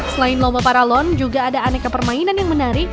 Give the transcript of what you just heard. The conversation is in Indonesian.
selain lomba paralon juga ada aneka permainan yang menarik